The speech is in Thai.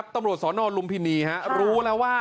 ตำรวจสนลุมพินีรู้แล้วว่า